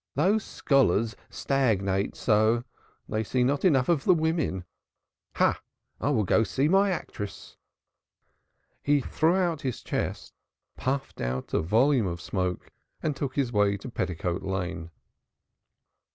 "These scholars stagnate so. They see not enough of the women. Ha! I will go and see my actress." He threw out his chest, puffed out a volume of smoke, and took his way to Petticoat Lane.